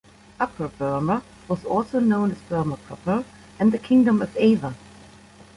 Upper Burma was also known as Burma proper and the Kingdom of Ava.